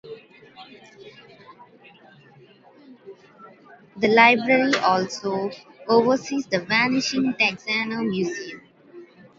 The Library also oversees the Vanishing Texana Museum.